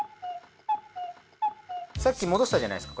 さっき戻したじゃないですか。